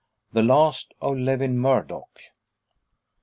THE LAST OF LEWIN MURDOCK.